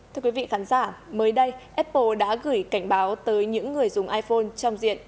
thưa quý vị khán giả mới đây apple đã gửi cảnh báo tới những người dùng iphone trong diện